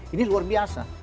ini luar biasa